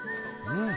うん？